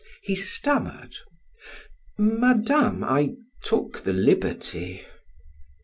He stammered: "Madame, I took the liberty."